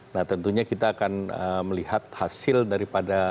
nah tentunya kita akan melihat hasil daripada peradilan nanti